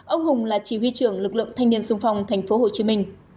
ông hùng là chỉ huy trưởng lực lượng thanh niên sung phong tp hcm